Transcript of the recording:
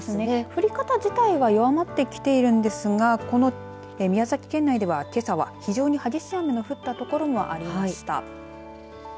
降り方自体は弱まってきているんですが宮崎県内では、けさは非常に激しい雨が降った所がありました。